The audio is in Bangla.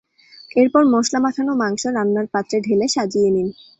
এরপর মসলা মাখানো মাংস রান্নার পাত্রে ঢেলে সাজিয়ে নিন।